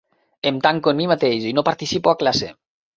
Em tanco en mi mateix i no participo a classe.